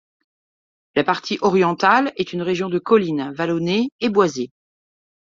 La partie orientale est une région de collines, vallonnée et boisée.